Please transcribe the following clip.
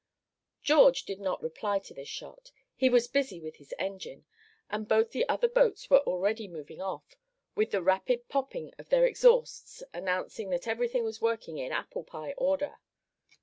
George did not reply to this shot. He was busy with his engine, and both the other boats were already moving off, with the rapid popping of their exhausts announcing that everything was working in apple pie order.